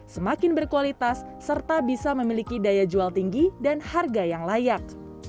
semakin berkualitas serta bisa memiliki daya jual tinggi dan harga yang layak